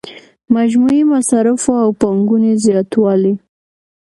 مجموعي مصارفو او پانګونې زیاتوالی.